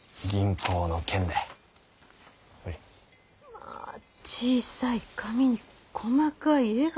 まぁ小さい紙に細かい絵が。